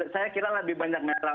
saya kira lebih banyak merah